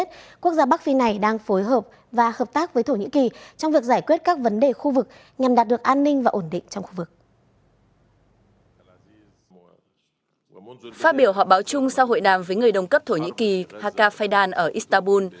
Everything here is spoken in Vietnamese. phát biểu họp báo chung sau hội đàm với người đồng cấp thổ nhĩ kỳ haka faydan ở istanbul